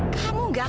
kamu gak tahu